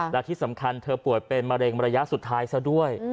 และที่สำคัญเธอป่วยเป็นมะเร็งระยะสุดท้ายซะด้วย